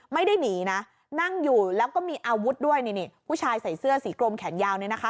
ไม่ได้หนีนะนั่งอยู่แล้วก็มีอาวุธด้วยนี่นี่ผู้ชายใส่เสื้อสีกลมแขนยาวเนี่ยนะคะ